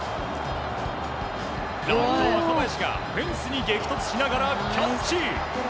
若林がフェンスに激突しながらキャッチ！